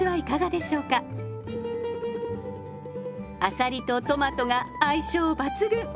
あさりとトマトが相性抜群！